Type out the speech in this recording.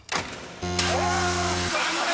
［残念！］